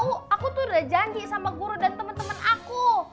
aku tuh udah janji sama guru dan temen temen aku